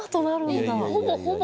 ほぼほぼ。